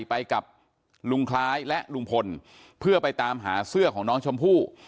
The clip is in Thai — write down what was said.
ไปกับลุงคล้ายและลุงพลเพื่อไปตามหาเสื้อของน้องชมพู่